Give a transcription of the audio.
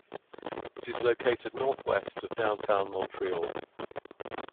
It is located northwest of downtown Montreal.